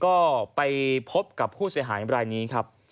ก็ไปพบกับผู้เสียหายรายนี้ครับ